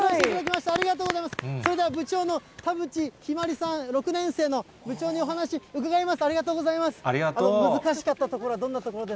それでは部長の田渕陽毬さん、６年生の部長にお話伺います。